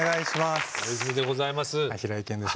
大泉でございます。